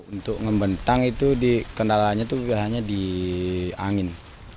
untuk ngebentang itu kendalanya itu biasanya di angin